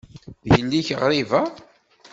D yelli-k ɣriba.